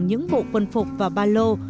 những bộ quân phục và ba lô